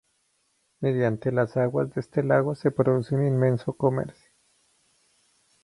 Mediante las aguas de este lago se produce un intenso comercio.